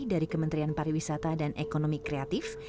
dari kementerian pariwisata dan ekonomi kreatif